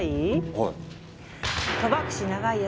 はい。